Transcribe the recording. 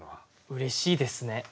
うれしいですね。